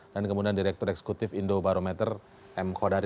dan kemudian direktur eksekutif indo barometer m khodari